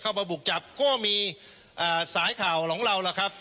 บุกจับก็มีสายข่าวของเราล่ะครับ